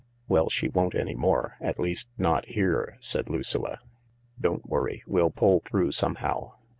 "Well, she won't any more — at least, not here," said Lucilla. "Don't worry; we'll pull through somehow.